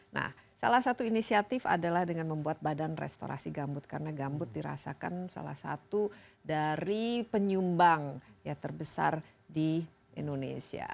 nah salah satu inisiatif adalah dengan membuat badan restorasi gambut karena gambut dirasakan salah satu dari penyumbang ya terbesar di indonesia